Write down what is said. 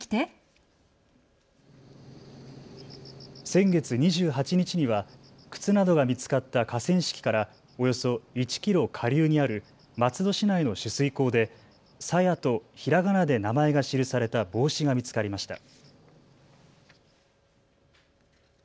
先月２８日には靴などが見つかった河川敷からおよそ１キロ下流にある松戸市内の取水口でさやとひらがなで名前が記された帽子が見つかりました。